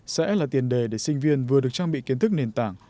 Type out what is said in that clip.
sẽ là tiền đề để sinh viên vừa được trang bị kiến thức nền tảng